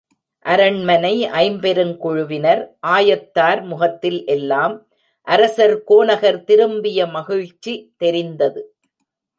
அரண்மனை ஐம்பெருங் குழுவினர், ஆயத்தார் முகத்தில் எல்லாம் அரசர் கோநகர் திரும்பிய மகிழ்ச்சி தெரிந்தது.